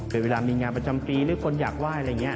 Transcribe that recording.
เวลามีงานประจำปีหรือคนอยากไหว้อะไรอย่างนี้